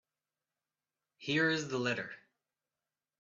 Here is the letter.